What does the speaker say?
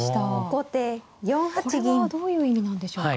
これはどういう意味なんでしょうか。